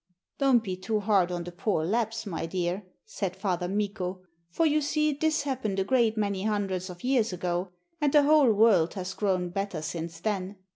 'Don't be too hard on the poor Lapps, my dear,' said Father Mikko, 'for you see this happened a great many hundreds of years ago, and the whole world has grown better since then.